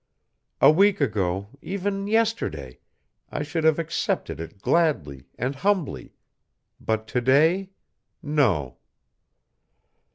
A week ago, even yesterday, I should have accepted it gladly and humbly, but to day no.